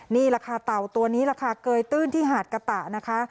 นี่ราคาเต่าตัวนี้ราคาเกยตื้นที่หาดกะตะนะคะ